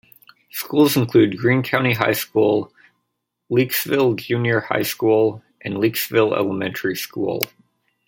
Schools include Greene County High School, Leakesville Junior High School, and Leakesville Elementary School.